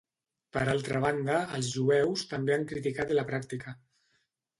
Per altra banda, els jueus també han criticat la pràctica.